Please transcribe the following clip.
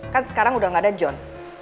kan sekarang udah gak ada john